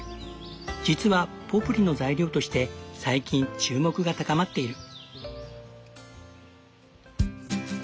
実はポプリの材料として最近注目が高まっている。